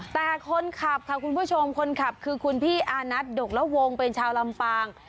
แต่คนขับค่ะคุณผู้ชมคนขับคือคุณพี่อานัทดกละวงเป็นชาวลำปาง